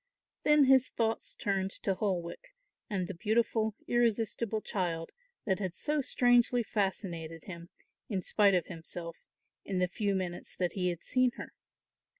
Then his thoughts turned to Holwick and the beautiful irresistible child that had so strangely fascinated him, in spite of himself, in the few minutes that he had seen her.